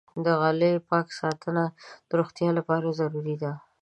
د غالۍ پاک ساتنه د روغتیا لپاره ضروري ده.